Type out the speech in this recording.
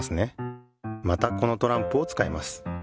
またこのトランプをつかいます。